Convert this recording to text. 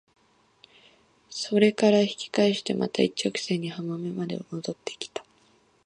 それから引き返してまた一直線に浜辺まで戻って来た。